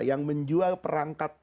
yang menjual perangkat